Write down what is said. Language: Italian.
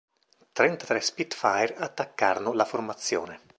Trentatré Spitfire attaccarono la formazione.